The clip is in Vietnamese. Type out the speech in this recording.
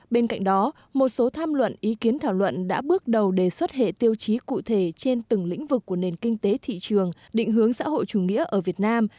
bên cạnh đó một số tham luận ý kiến thảo luận đã bước đầu đề xuất hệ tiêu chí cụ thể trên từng lĩnh vực của nền kinh tế thị trường định hướng xã hội chủ nghĩa ở việt nam